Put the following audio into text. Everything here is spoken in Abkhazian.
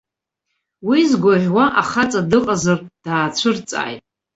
Уи згәаӷьуа ахаҵа дыҟазар, даацәырҵааит!